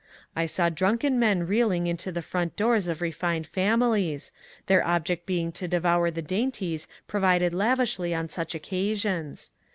I saw drunken men reeling into the front doors of refined families, their object being to devour the dainties provided lavishly on such occasions.